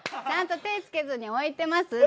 ちゃんと手付けずに置いてます